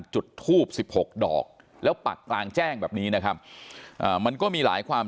จุดทูบ๑๖ดอกแล้วปักกลางแจ้งแบบนี้นะครับมันก็มีหลายความ